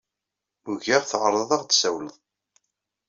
Ugaɣ tɛerḍeḍ ad ɣ-d-sawleḍ.